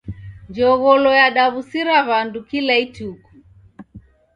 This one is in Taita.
Njogholo yadaw'usira w'andu kila ituku.